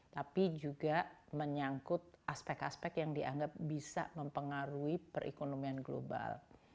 tapi juga menyangkut aspek aspek yang dianggap bisa mempengaruhi perekonomian global